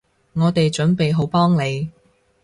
我哋準備好幫你